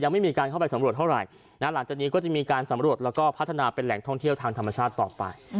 ไม่มีการเข้าไปสำรวจเท่าไหร่หลังจากนี้ก็จะมีการสำรวจแล้วก็พัฒนาเป็นแหล่งท่องเที่ยวทางธรรมชาติต่อไป